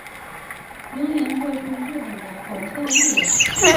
萤原彻是日本的搞笑艺人。